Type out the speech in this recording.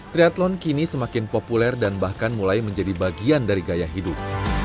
triathlon kini semakin populer dan bahkan mulai menjadi bagian dari gaya hidup